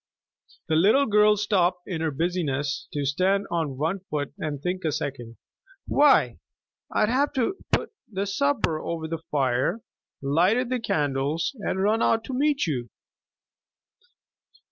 The little girl stopped in her busy ness to stand on one foot and think a second. "Why, I'd have put the supper over the fire, lighted the candles, and run out to meet you."